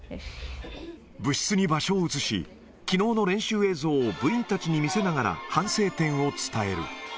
部室に場所を移し、きのうの練習映像を部員たちに見せながら、反省点を伝える。